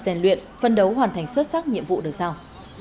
dàn luyện phân đấu hoàn thành xuất sắc nhiệm vụ được sao